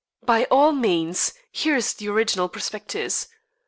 "By all means. Here is the original prospectus."